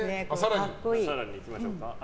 更にいきましょうか。